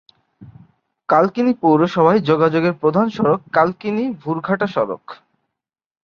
কালকিনি পৌরসভায় যোগাযোগের প্রধান সড়ক কালকিনি-ভুরঘাটা সড়ক।